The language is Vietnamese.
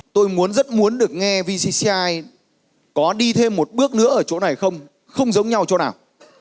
tôi muốn rất muốn được nghe vcci có đi thêm một bước nữa ở chỗ này không giống nhau chỗ nào